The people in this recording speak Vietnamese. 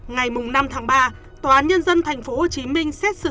ngày năm tháng ba tòa án nhân dân tp hcm xét xử